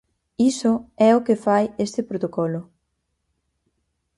Iso é o que fai este protocolo.